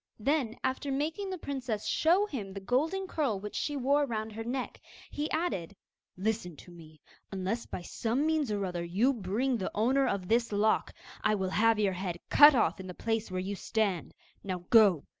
Then, after making the princess show him the golden curl which she wore round her neck, he added: 'Listen to me; unless by some means or other you bring me the owner of this lock, I will have your head cut off in the place where you stand. Now go!